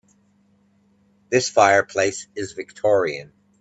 This fireplace is Victorian.